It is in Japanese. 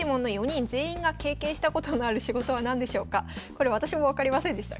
これ私も分かりませんでした。